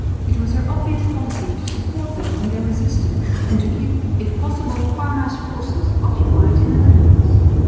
It was her obvious policy to support them in their resistance, and to keep, if possible, Parma's forces occupied in the Netherlands.